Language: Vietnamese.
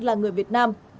là người việt nam